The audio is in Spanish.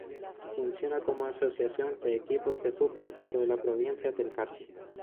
Funciona como asociación de equipos de fútbol dentro de la Provincia del Carchi.